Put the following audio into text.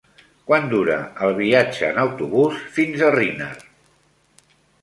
Quant dura el viatge en autobús fins a Riner?